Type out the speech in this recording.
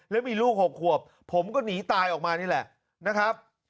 แล้วมีลูก๖ขวบผมก็หนีตายออกมานี่แหละนะครับ